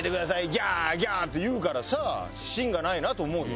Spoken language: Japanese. ギャーギャーって言うからさ芯がないなと思うよ。